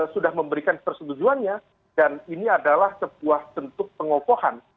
sudah memberikan persetujuannya dan ini adalah sebuah tentu pengopoan